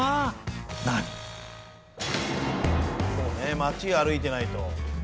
街歩いてないと。